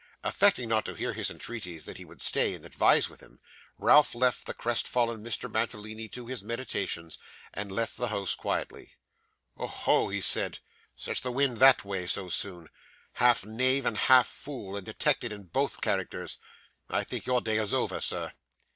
Affecting not to hear his entreaties that he would stay and advise with him, Ralph left the crest fallen Mr. Mantalini to his meditations, and left the house quietly. 'Oho!' he said, 'sets the wind that way so soon? Half knave and half fool, and detected in both characters? I think your day is over, sir.